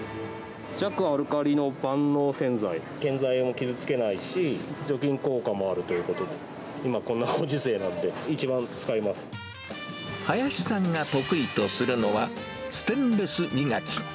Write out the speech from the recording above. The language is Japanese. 弱アルカリの万能洗剤、建材を傷つけないし、除菌効果もあるということで、今、こんなご林さんが得意とするのは、ステンレス磨き。